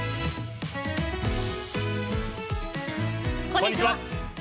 こんにちは。